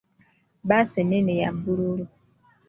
Bbaasi ennene ya bululu.